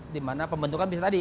dimana pembentukan bisa tadi